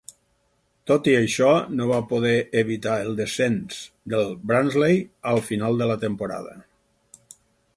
Tot i això, no va poder evitar el descens del Barnsley al final de la temporada.